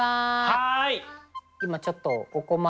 はい。